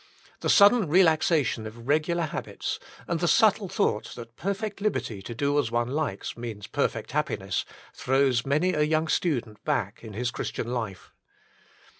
The sudden relaxation of regular habits, and the subtle Holidays 1 15 thought that perfect liberty to do as one likes means perfect happiness, throws many a young student back in his Christian life.